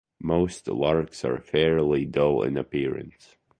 Most larks are fairly dull in appearance.